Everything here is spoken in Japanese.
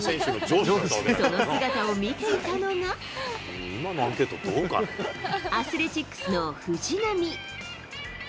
その姿を見てたのが、アスレチックスの藤浪。